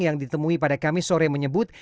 yang ditemui pada kamis sore menyebut